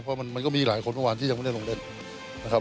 เพราะมันก็มีหลายคนเมื่อวานที่ยังไม่ได้ลงเล่นนะครับ